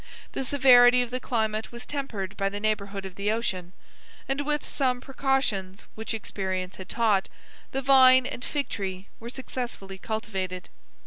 The severity of the climate was tempered by the neighborhood of the ocean; and with some precautions, which experience had taught, the vine and fig tree were successfully cultivated.